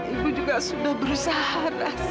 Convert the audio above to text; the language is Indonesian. ibu juga sudah berusaha